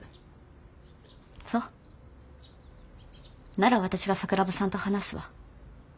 なら私が桜庭さんと話すわ。